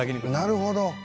なるほど。